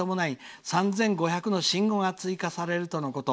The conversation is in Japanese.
それに伴い３５００の新語が追加されるとのこと。